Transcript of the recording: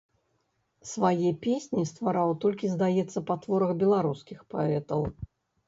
Свае песні ствараў толькі, здаецца, па творах беларускіх паэтаў.